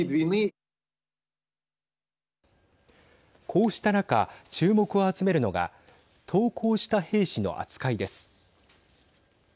こうした中注目を集めるのが投降した兵士の扱いです。